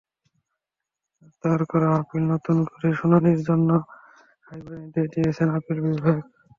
তাঁর করা আপিল নতুন করে শুনানির জন্য হাইকোর্টকে নির্দেশ দিয়েছেন আপিল বিভাগ।